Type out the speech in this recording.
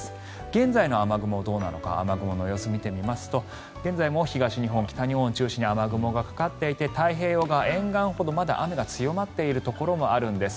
現在の雨雲、どうなのか雨雲の様子、見てみますと現在も東日本、北日本を中心に雨雲がかかっていて太平洋側沿岸ほどまだ雨が強まっているところもあるんです。